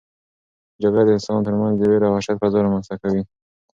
جګړه د انسانانو ترمنځ د وېرې او وحشت فضا رامنځته کوي.